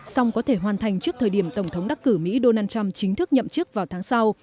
song có thể hoàn thành trước thời điểm tổng thống đắc cử mỹ donald trump chính thức nhậm chức vào tháng sau